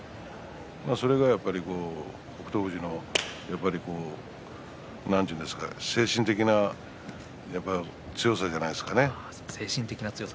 それが北勝富士の精神的な強さじゃないですかね。